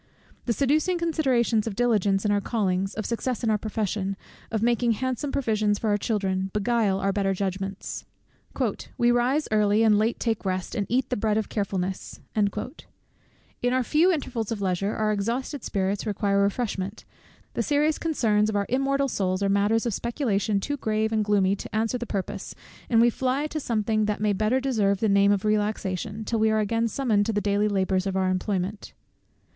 The seducing considerations of diligence in our callings, of success in our profession, of making handsome provisions for our children, beguile our better judgments. "We rise early, and late take rest, and eat the bread of carefulness." In our few intervals of leisure, our exhausted spirits require refreshment; the serious concerns of our immortal souls, are matters of speculation too grave and gloomy to answer the purpose, and we fly to something that may better deserve the name of relaxation, till we are again summoned to the daily labours of our employment.